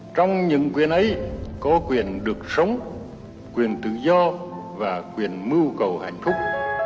trong những quyền ấy có quyền được sống quyền tự do và quyền mưu cầu hạnh phúc